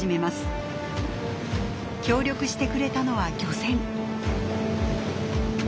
協力してくれたのは漁船。